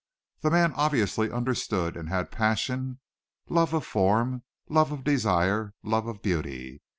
The man obviously understood and had passion, love of form, love of desire, love of beauty.